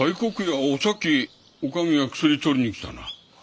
ああさっきおかみが薬取りに来たな。